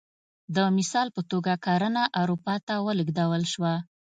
د مثال په توګه کرنه اروپا ته ولېږدول شوه